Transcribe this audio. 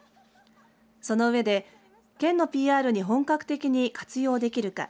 その上で県のＰＲに本格的に活用できるか。